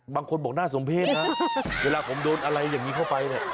บางคนบอกน่าสมเพศนะเวลาผมโดนอะไรอย่างนี้เข้าไปเนี่ย